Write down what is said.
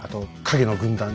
「影の軍団」